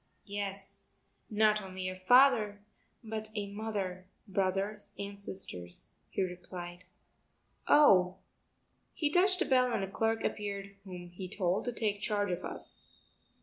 "Yes, not only a father, but a mother, brothers and sisters," he replied. "Oh...." He touched a bell and a clerk appeared whom he told to take charge of us.